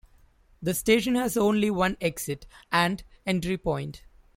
The station has only one exit and entry point.